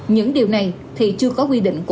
những điều này thì chưa có quy định